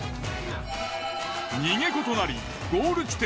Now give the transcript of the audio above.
逃げ子となりゴール地点